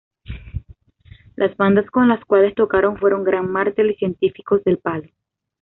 Las bandas con las cuales tocaron fueron Gran Martell y Científicos del Palo.